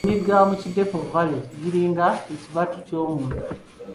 Emigga mu Kidepo Valley giringa ekibatu ky'omuntu.